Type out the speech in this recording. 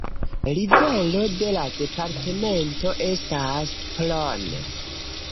Rivero de la departemento estas Hron.